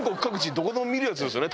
どこでも見るやつですよね？